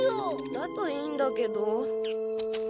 だといいんだけど。